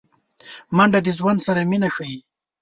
منډه د ژوند سره مینه ښيي